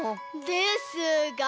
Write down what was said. ですが！